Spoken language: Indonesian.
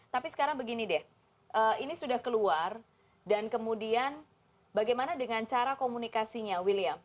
tapi sekarang begini deh ini sudah keluar dan kemudian bagaimana dengan cara komunikasinya william